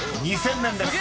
２０００年です］